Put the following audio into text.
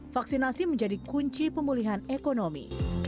vaksinasi menjadi kunci pemulihan ekonomi